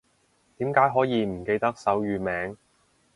點解可以唔記得手語名